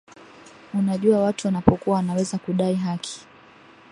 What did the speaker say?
unajua watu wanapokuwa wanaweza kudai haki